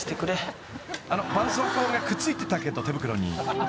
［あのばんそうこうがくっついてたけど手袋に］